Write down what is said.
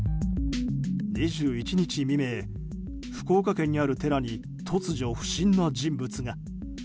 ２１日未明、福岡県にある寺に突如、不審な人物が。